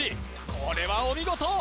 これはお見事！